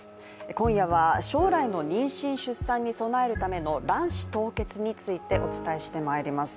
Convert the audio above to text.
今夜は将来の妊娠・出産に備えるための卵子凍結についてお伝えしてまいります。